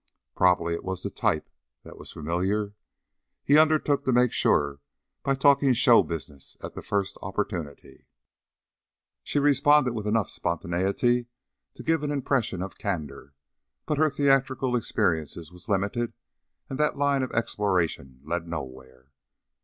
Probably it was the type that was familiar. He undertook to make sure by talking "show business" at the first opportunity; she responded with enough spontaneity to give an impression of candor, but her theatrical experience was limited and that line of exploration led nowhere.